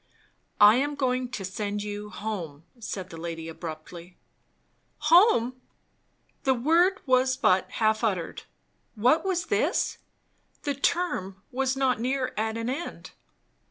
"I am going to send you home " said the lady abruptly. "Home! " the word was but half uttered. What was this? The term was not near at an end.